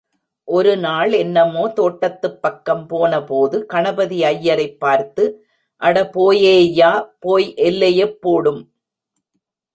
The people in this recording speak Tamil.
ஒருநாள் என்னமோ தோட்டத்துப் பக்கம் போனபோது, கணபதி ஐயரைப் பார்த்து, அட போயேய்யா, போய் எலையெப் போடும்.